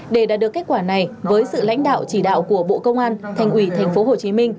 để đạt được kết quả này với sự lãnh đạo chỉ đạo của bộ công an thành ủy tp hcm